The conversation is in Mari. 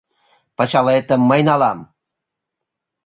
— Пычалетым мый налам.